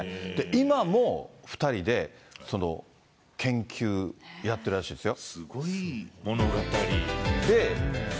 今も、２人で研究やってるらしいですよ。